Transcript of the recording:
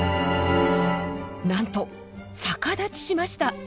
なんと逆立ちしました。